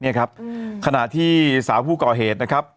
เนี่ยครับขณะที่สาวผู้ก่อเหตุนะครับ